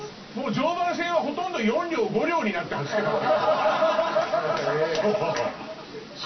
常磐線はほとんど４両５両になって走ってますよ。